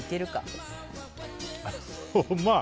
うまい！